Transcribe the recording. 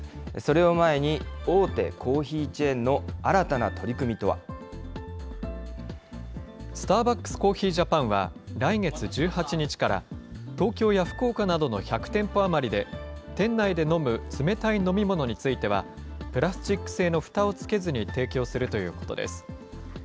それを前に、大手コーヒーチェースターバックスコーヒージャパンは来月１８日から、東京や福岡などの１００店舗余りで、店内で飲む冷たい飲み物については、プラスチック製のふたをつけずに提供するということです。